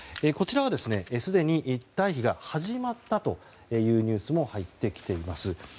こちらはすでに退避が始まったというニュースも入ってきています。